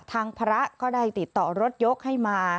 ทางพระก็ได้ติดต่อรถยกให้มา